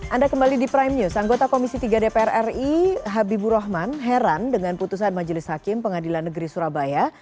anda kembali di prime news anggota komisi tiga dpr ri habibur rahman heran dengan putusan majelis hakim pengadilan negeri surabaya